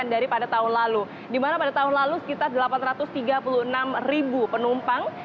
daripada tahun lalu di mana pada tahun lalu sekitar delapan ratus tiga puluh enam ribu penumpang